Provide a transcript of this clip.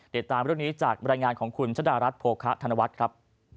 เด็ดตามตรงนี้จากรายงานของคุณชนะรัฐโพคะธนวัฒน์ครับ